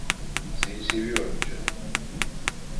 Seni seviyorum canım.